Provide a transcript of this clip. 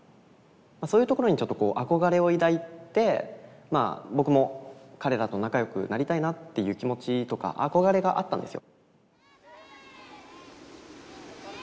そういうところにちょっとこう憧れを抱いてまあ僕も彼らと仲良くなりたいなっていう気持ちとか憧れがあったんですよ。